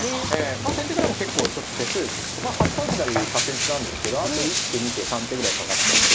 先手からも結構ちょっと手数８三歩成確実なんですけどあと１手２手３手ぐらいかかっちゃうので。